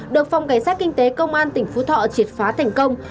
được phòng cảnh sát kinh tế công an tỉnh phú thọ triệt phá thành công